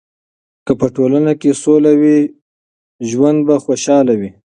که په ټولنه کې سوله وي، ژوند به خوشحاله وي.